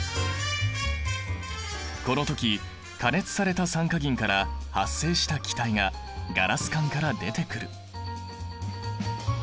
この時加熱された酸化銀から発生した気体がガラス管から出てくる。